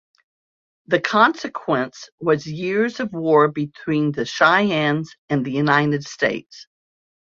The consequence was years of war between the Cheyennes and the United States.